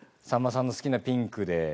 さんまさんの好きなピンクで。